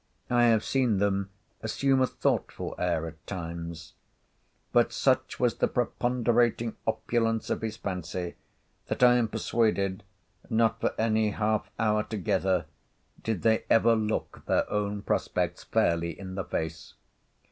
I have seen them assume a thoughtful air at times. But such was the preponderating opulence of his fancy, that I am persuaded, not for any half hour together, did they ever look their own prospects fairly in the face.